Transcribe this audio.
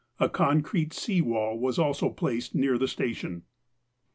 A concrete sea wall was also placed near the station.